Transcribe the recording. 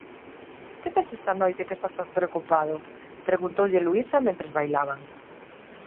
-Que tes esta noite que estás tan preocupado? -preguntoulle Luísa mentres bailaban.